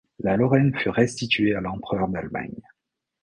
La Lorraine fut restituée à l’empereur d’Allemagne.